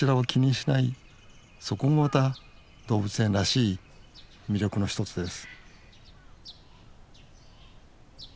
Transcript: そこもまた動物園らしい魅力の一つです